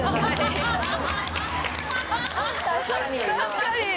確かに。